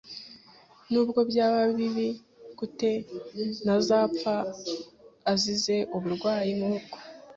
Nubwo byaba bibi gute, ntazapfa azize uburwayi nk'ubwo.